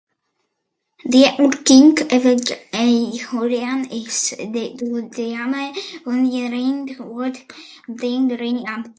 Die uitkring-effek hiervan is die toename in uitbesteding, wat reeds merkbare afmetings aanneem.